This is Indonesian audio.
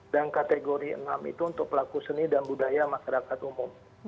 dan kategori enam itu untuk pelaku seni dan budaya masyarakat umum